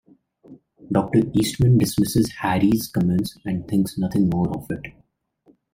Doctor Eastmann dismisses Harry's comments and thinks nothing more of it.